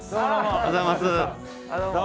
おはようございます！